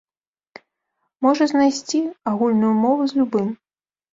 Можа знайсці агульную мову з любым.